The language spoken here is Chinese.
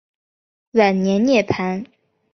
晚年涅盘。